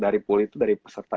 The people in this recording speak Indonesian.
dari pool itu dari peserta